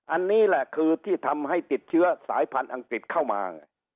อันนี้แหละคือที่ทำให้ติดเชื้อสายพันธุ์อังกฤษเข้ามา